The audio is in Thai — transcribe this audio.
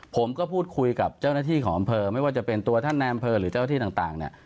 ผมก็พูดคุยกับเจ้าหน้าที่ของอำเภอไม่ว่าจะเป็นตัวท่านในอำเภอหรือเจ้าที่ต่างเนี่ย